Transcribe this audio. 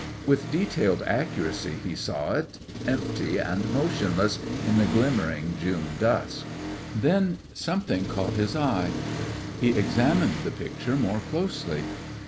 With detailed accuracy he saw it, empty and motionless in the glimmering June dusk. Then something caught his eye. He examined the picture more closely.